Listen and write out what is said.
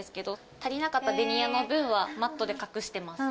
足りなかったベニヤの分はマットで隠してます。